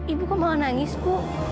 ibu mau nangis bu